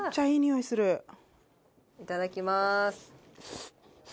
いただきます。